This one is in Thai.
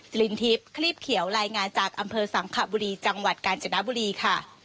ลินทิพย์คลีบเขียวรายงานจากอำเภอสังขบุรีจังหวัดกาญจนบุรีค่ะ